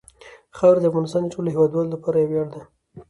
خاوره د افغانستان د ټولو هیوادوالو لپاره یو ویاړ دی.